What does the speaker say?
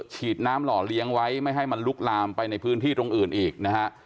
ฉีดน้ำหล่อเลี้ยงไว้ไม่ให้มันลุกลามไปในพื้นที่ตรงอื่นอีกนะฮะ